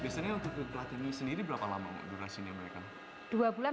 selain berusaha mencerdaskan masyarakat melalui buku pkbm arido juga memberikan pelatihan keterampilan